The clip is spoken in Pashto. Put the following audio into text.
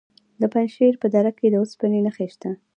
د پنجشیر په دره کې د اوسپنې نښې شته.